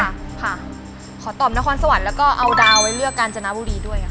ค่ะขอตอบนครสวรรค์แล้วก็เอาดาวไว้เลือกกาญจนบุรีด้วยค่ะ